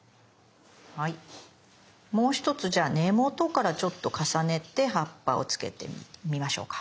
もう一つ根元からちょっと重ねて葉っぱをつけてみましょうか。